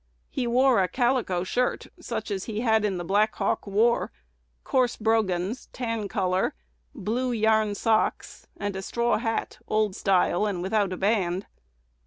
He wore a calico shirt, such as he had in the Black Hawk War; coarse brogans, tan color; blue yarn socks, and straw hat, old style, and without a band.